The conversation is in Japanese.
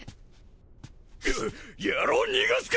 や野郎逃がすか！